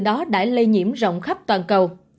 đó đã lây nhiễm rộng khắp toàn cầu